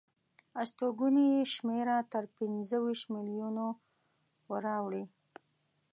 استوګنو یې شمېره تر پنځه ویشت میلیونو وراوړي.